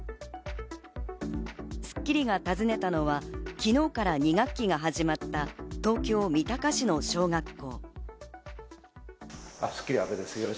『スッキリ』が訪ねたのは昨日から２学期が始まった東京・三鷹市の小学校。